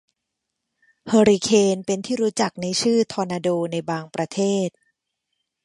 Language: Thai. เฮอริเคน เป็นที่รู้จักในชื่อ ทอร์นาโด ในบางประเทศ